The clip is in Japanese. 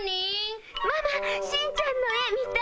ママしんちゃんの絵見たいなあ。